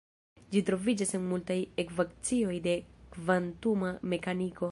Ĝi troviĝas en multaj ekvacioj de kvantuma mekaniko.